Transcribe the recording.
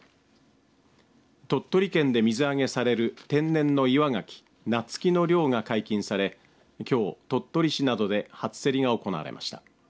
鳥取県で水揚げされる天然の岩ガキ夏輝の漁が解禁されきょう、鳥取市などで初競りが行われました。